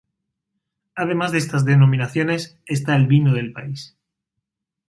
Además de estas denominaciones, está el vino del país.